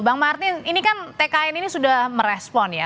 bang martin ini kan tkn ini sudah merespon ya